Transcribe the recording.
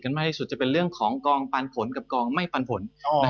มากที่สุดจะเป็นเรื่องของกองปันผลกับกองไม่ปันผล